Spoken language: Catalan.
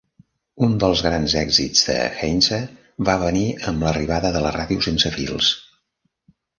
Un dels grans èxits de Heinze va venir amb l'arribada de la ràdio sense fils.